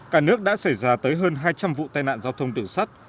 cả nước đã xảy ra tới hơn hai trăm linh vụ tai nạn giao thông đường sắt